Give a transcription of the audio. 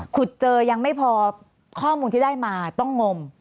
ขุดเจอยังไม่พอข้อมูลที่ได้มาต้องงม